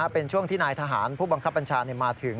เป็นช่วงที่นายทหารผู้บังคับบัญชามาถึง